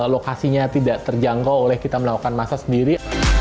lokasinya tidak terjangkau oleh kita melakukan masa sendiri